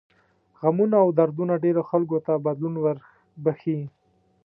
غمونه او دردونه ډېرو خلکو ته بدلون وربښي.